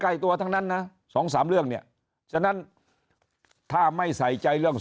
ตัวทั้งนั้นนะสองสามเรื่องเนี่ยฉะนั้นถ้าไม่ใส่ใจเรื่อง